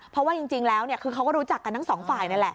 เพราะว่าจริงแล้วคือเขาก็รู้จักกันทั้งสองฝ่ายนั่นแหละ